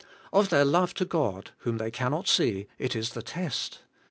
Of their love to God, whom they cannot see, it is the test.